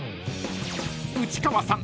［内川さん